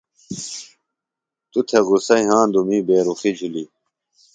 توۡ تھےۡ غصہ یھاندُوۡ می بے رُخیۡ جُھلیۡ۔